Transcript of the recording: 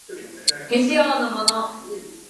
未使用のもの